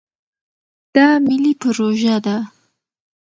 دا ملي پروژه ده.